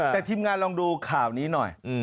แต่ทีมงานลองดูข่าวนี้หน่อย